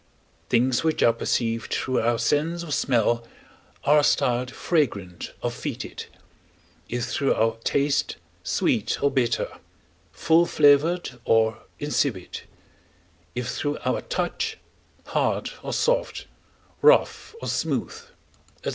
Things which are perceived through our sense of smell are styled fragrant or fetid; if through our taste, sweet or bitter, full flavored or insipid; if through our touch, hard or soft, rough or smooth, &c.